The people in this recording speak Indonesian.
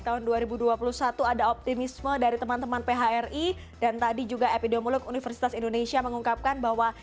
tahun dua ribu dua puluh satu ada optimisme dari teman teman phri dan tadi juga epidemiolog universitas indonesia mengungkapkan bahwa